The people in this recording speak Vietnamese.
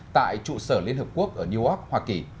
tại trụ sở liên hợp quốc ở new york hoa kỳ